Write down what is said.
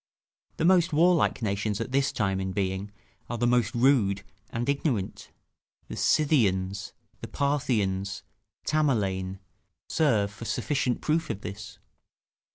The most warlike nations at this time in being are the most rude and ignorant: the Scythians, the Parthians, Tamerlane, serve for sufficient proof of this.